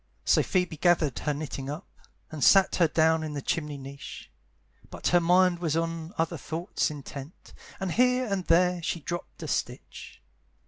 So Phoebe gathered her knitting up, And sat her down in the chimney niche; But her mind was on other thoughts intent, And here and there she dropped a stitch.